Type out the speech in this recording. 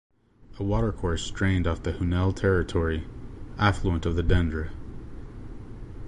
A watercourse drained off the Hunelle territory, affluent of the Dendre.